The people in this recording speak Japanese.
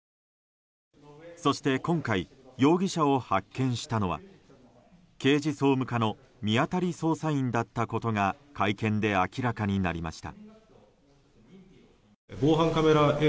そして、今回容疑者を発見したのは刑事総務課の見当たり捜査員だったことが会見で明らかになりました。